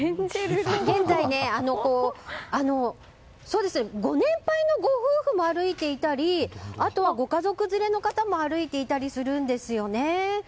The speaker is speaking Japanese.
現在、ご年配のご夫婦が歩いていたりあとはご家族連れの方も歩いていたりするんですよね。